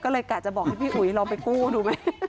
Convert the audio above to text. ก็เลยกะจะบอกให้พี่อุ๋ยลองไปกู้ดูไหม